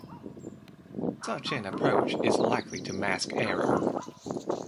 Such an approach is likely to mask error.